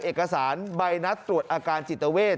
เอกสารใบนัดตรวจอาการจิตเวท